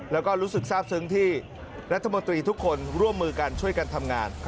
แล้วก็รู้สึกทราบซึ้งที่รัฐมนตรีทุกคนร่วมมือกันช่วยกันทำงาน